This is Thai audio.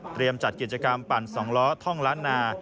เตรียมจัดกิจกรรมปั่นสองล้อท่องร้านนา